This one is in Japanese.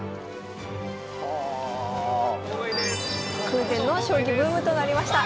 空前の将棋ブームとなりました。